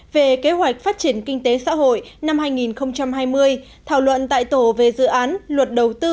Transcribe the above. về kế hoạch phát triển kinh tế xã hội năm hai nghìn hai mươi thảo luận tại tổ về dự án luật đầu tư